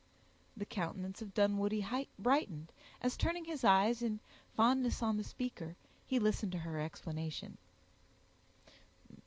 The countenance of Dunwoodie brightened, as turning his eyes in fondness on the speaker, he listened to her explanation.